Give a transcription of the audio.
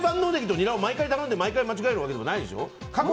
毎回頼んで毎回間違えるわけじゃないでしょ。